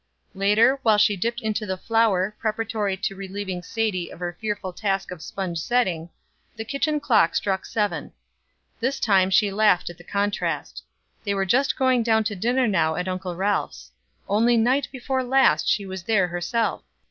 Later, while she dipped into the flour preparatory to relieving Sadie of her fearful task of sponge setting, the kitchen clock struck seven. This time she laughed at the contrast. They were just going down to dinner now at Uncle Ralph's. Only night before last she was there herself.